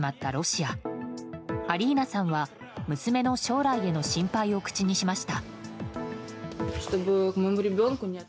アリーナさんは、娘の将来への心配を口にしました。